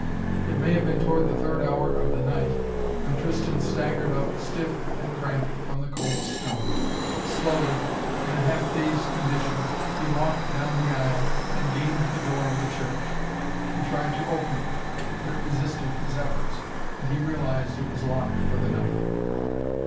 It may have been toward the third hour of the night when Tristan staggered up, stiff and cramped, from the cold stone. Slowly, in a half dazed condition, he walked down the aisle and gained the door of the church. He tried to open it, but it resisted his efforts, and he realized it was locked for the night.